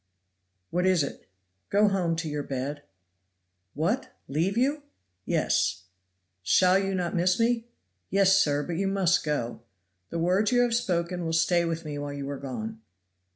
"What is it?" "Go home to your bed." "What, leave you?" "Yes." "Shall you not miss me?" "Yes, sir, but you must go. The words you have spoken will stay with me while you are gone."